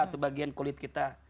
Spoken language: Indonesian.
atau bagian kulit kita